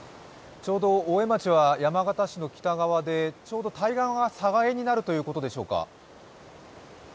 ちょうど大江町は山形市の北側で対岸は寒河江にあるということでしょうか。